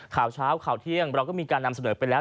ข่าวเช้าข่าวเที่ยงเราก็มีการนำเสนอไปแล้ว